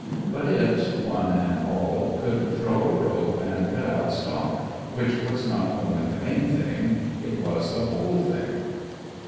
But it, one and all, could throw a rope and cut out stock, which was not only the main thing it was the whole thing.